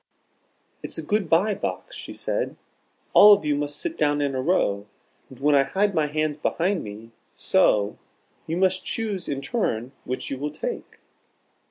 "It is a Good by Box," she said. "All of you must sit down in a row, and when I hide my hands behind me, so, you must choose in turn which you will take."